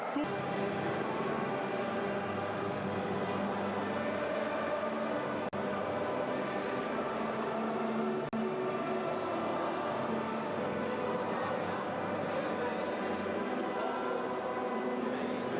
โทษนะครับ